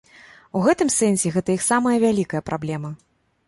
У гэтым сэнсе гэта іх самая вялікая праблема.